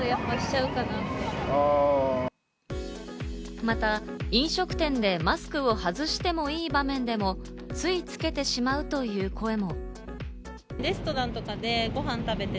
また、飲食店でマスクを外してもいい場面でもつい着けてしまうという声も。